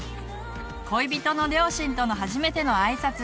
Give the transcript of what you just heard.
恋人の両親との初めての挨拶。